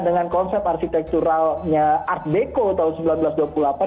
dengan konsep arsitekturalnya art deco tahun seribu sembilan ratus dua puluh delapan